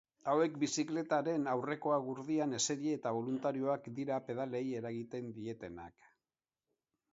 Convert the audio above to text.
Hauek bizikletaren aurreko gurdian eseri eta boluntarioak dira pedalei eragiten dietenak.